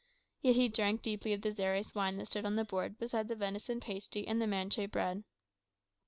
Yet he drank deeply of the Xeres wine that stood on the board beside the venison pasty and the manchet bread.